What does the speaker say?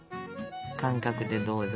感覚でどうぞ。